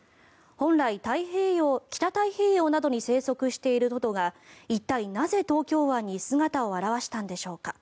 本来、北太平洋などに生息しているトドが一体なぜ東京湾に姿を現したんでしょうか。